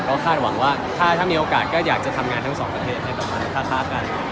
ก็คาดหวังว่าถ้ามีโอกาสก็อยากจะทำงานทั้งสองประเทศให้กับมันท้ากัน